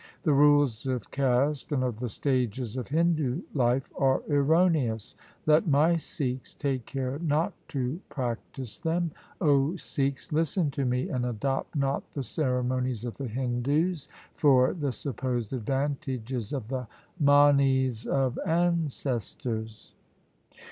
The rules of caste and of the stages of Hindu life are erroneous. Let my Sikhs take care not to practise them. O Sikhs, listen to me and adopt not the ceremonies of the Hindus for the supposed advantages of the manes of ancestors.